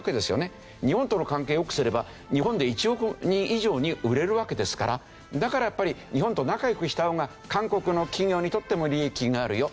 日本との関係を良くすれば日本で１億人以上に売れるわけですからだからやっぱり日本と仲良くした方が韓国の企業にとっても利益になるよ